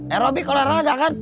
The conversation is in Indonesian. aerobik olahraga kan